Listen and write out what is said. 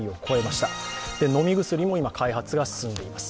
飲み薬も今、開発が進んでいます。